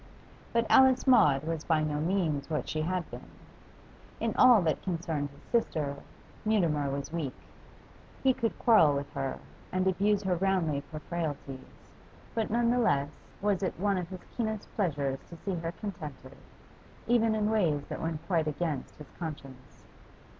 But Alice Maud was by no means what she had been. In all that concerned his sister, Mutimer was weak; he could quarrel with her, and abuse her roundly for frailties, but none the less was it one of his keenest pleasures to see her contented, even in ways that went quite against his conscience.